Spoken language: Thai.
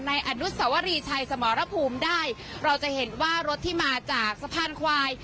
อนุสวรีชัยสมรภูมิได้เราจะเห็นว่ารถที่มาจากสะพานควาย